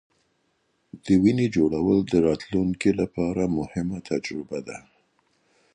د وینې جوړول د راتلونکې لپاره مهمه تجربه ده.